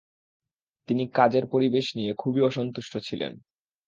তিনি কাজের পরিবেশ নিয়ে খুবই অসন্তুষ্ট ছিলেন।